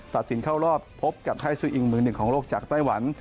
ตัดสินเข้ารอบพบกับไทยซุอิง๑๑ของโลกจากไต้หวัน